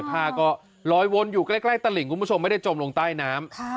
ผ้าก็ลอยวนอยู่ใกล้ตลิงคุณผู้ชมไม่ได้จมลงใต้น้ำ